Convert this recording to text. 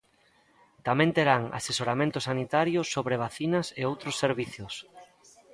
Tamén terán asesoramento sanitario sobre vacinas e outros servizos.